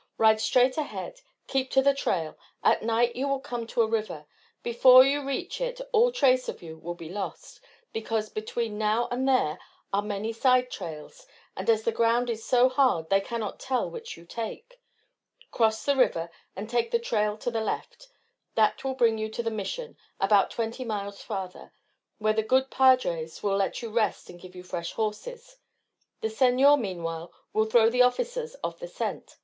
"Ride straight ahead. Keep to the trail. At night you will come to a river. Before you reach it all trace of you will be lost, because between now and there are many side trails, and as the ground is so hard they cannot tell which you take. Cross the river and take the trail to the left. That will bring you to the Mission about twenty miles farther where the good padres will let you rest and give you fresh horses. The senor, meanwhile, will throw the officers off the scent.